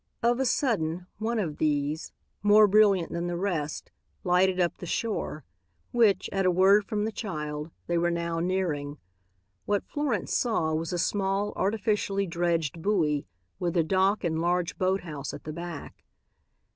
Of a sudden one of these, more brilliant than the rest, lighted up the shore, which, at a word from the child, they were now nearing. What Florence saw was a small, artificially dredged buoy with a dock and large boathouse at the back.